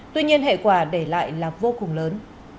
tuy nhiên hệ quả để lại là vô cùng lớn